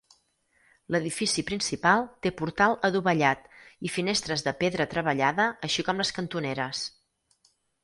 L'edifici principal té portal adovellat i finestres de pedra treballada així com les cantoneres.